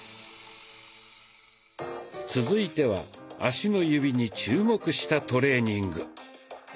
続いては足の指に注目したトレーニング。